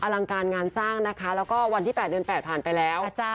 ลังการงานสร้างนะคะแล้วก็วันที่๘เดือน๘ผ่านไปแล้ว